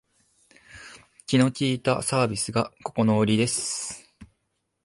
気の利いたサービスがここのウリです